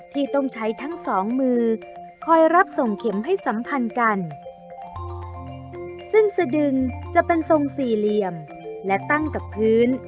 ที่ต้องใช้ทั้งสองมือคอยรับส่งเข็มให้สัมพันธ์กันซึ่งสดึงจะเป็นทรงสี่เหลี่ยมและตั้งกับพื้น